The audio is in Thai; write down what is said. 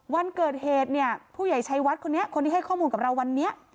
วันเกิดเหตุเนี่ยผู้ใหญ่ชัยวัดคนนี้คนที่ให้ข้อมูลกับเราวันนี้